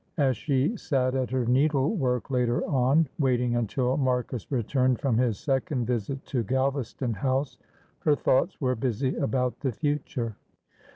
As she sat at her needlework later on, waiting until Marcus returned from his second visit to Galvaston House, her thoughts were busy about the future.